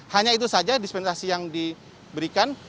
hanya itu saja dispensasi yang diberikan